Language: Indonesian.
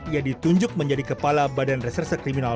ia ditunjuk menjadi kepala badan reserse kriminal